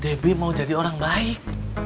debbie mau jadi orang baik